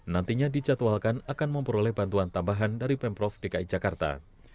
nantinya dicatwalkan akan memperoleh bantuan tambahan dari pemprov dki jakarta